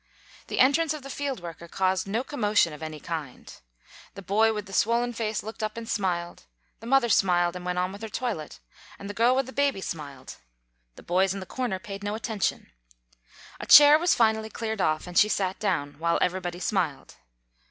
The entrance of the field worker caused no commotion of any kind. The boy with the swollen face looked up and smiled, the mother smiled and went on with her toilet, the girl with the baby smiled, the boys in the corner paid no attention. A chair was finally cleared off and she sat down, while everybody smiled.